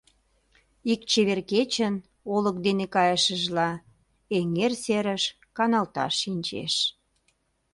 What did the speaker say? Ик чевер кечын, олык дене кайышыжла, эҥер серыш каналташ шинчеш.